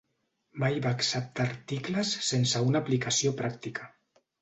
Mai va acceptar articles sense una aplicació pràctica.